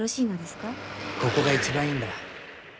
ここが一番いいんだ。